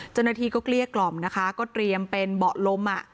เจ้าหน้าที่ก็เกลี้ยกล่อมนะคะก็เตรียมเป็นเบาะลม